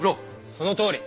そのとおり！